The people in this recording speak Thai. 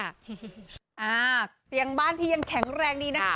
เตียงบ้านพี่ยังแข็งแรงดีนะคะ